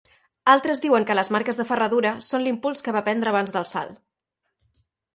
Altres diuen que les marques de ferradura són l'impuls que va prendre abans del salt.